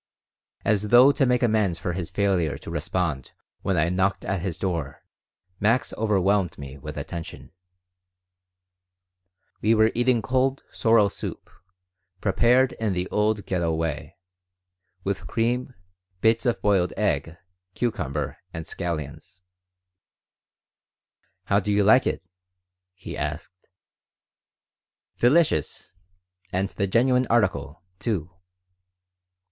As though to make amends for his failure to respond when I knocked at his door, Max overwhelmed me with attention We were eating cold sorrel soup, prepared in the old Ghetto way, with cream, bits of boiled egg, cucumber, and scallions "How do you like it?" he asked "Delicious! And the genuine article, too."